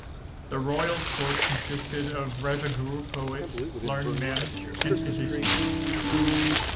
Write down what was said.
The royal court consisted of a "Rajaguru", poets, learned men and physicians.